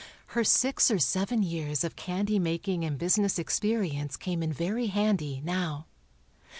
Her six or seven years of candy making and business experience came in very handy, now.